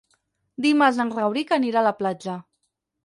Dimarts en Rauric anirà a la platja.